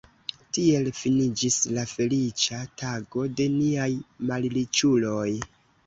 Tiel finiĝis la feliĉa tago de niaj malriĉuloj.